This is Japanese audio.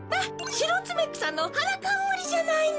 シロツメクサのはなかんむりじゃないの！